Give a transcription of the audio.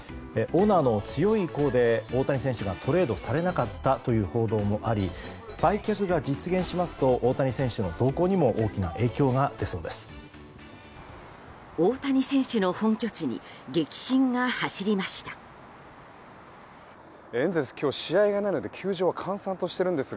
オーナーの強い意向で大谷選手がトレードされなかったという報道もあり売却が実現しますと大谷選手の動向にも大きな影響が出そうです。